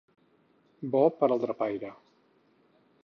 Bo per al drapaire.